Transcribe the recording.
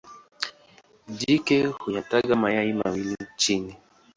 Jike huyataga mayai mawili chini.